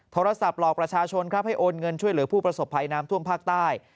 โทรศัพท์หลอกประชาชนครับให้โอนเงินช่วยเหลือผู้ประสบภัยน้ำท่วมภาคใต้